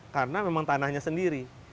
karena memang tanahnya sendiri